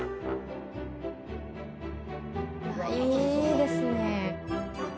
「いいですね」